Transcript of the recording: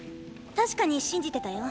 確かに信じてたよ